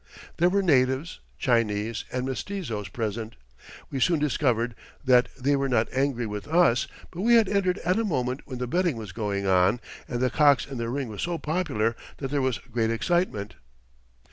There were natives, Chinese, and mestizos present. We soon discovered that they were not angry with us, but we had entered at a moment when the betting was going on, and the cocks in the ring were so popular that there was great excitement.